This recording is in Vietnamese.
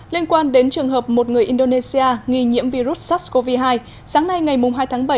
liên quan đến trường hợp một người indonesia nghi nhiễm virus sars cov hai sáng nay ngày hai tháng bảy